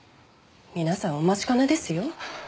皆さんお待ちかねですよ。